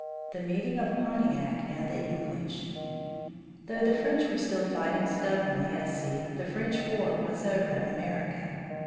THE MEETING OF PONTIAC AND THE ENGLISH Though the French were still fighting stubbornly at sea, the French war was over in America.